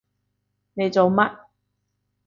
你做乜？